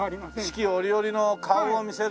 四季折々の顔を見せるんだ。